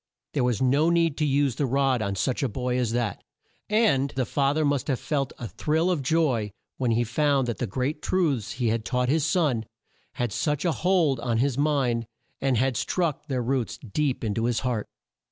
There was no need to use the rod on such a boy as that, and the fa ther must have felt a thrill of joy when he found that the great truths he had taught his son had such a hold on his mind and had struck their roots deep in to his heart.